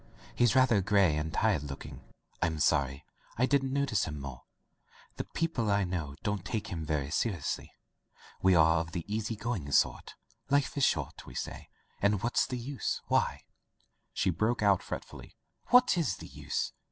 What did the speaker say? He's rather gray and tired looking. Fm sorry I didn't notice him more. The people I know don't take him very seriously. We are of the easy going sort. 'Life is short,' we say, and * what's the use?' Why," she broke out fretfully, "what is the use?